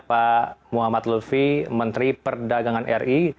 pak muhammad lutfi menteri perdagangan ri